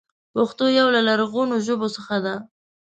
پښتو يو له لرغونو ژبو څخه ده.